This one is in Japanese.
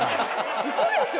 ウソでしょ。